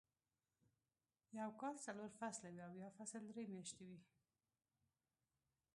يو کال څلور فصله وي او يو فصل درې میاشتې وي.